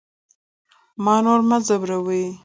ما نور مه ځوروئ